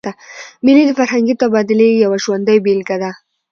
مېلې د فرهنګي تبادلې یوه ژوندۍ بېلګه ده.